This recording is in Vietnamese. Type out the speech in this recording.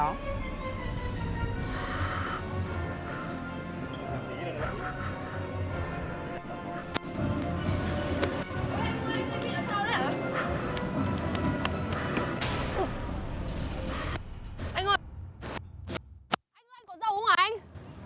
anh ơi anh có râu không ạ anh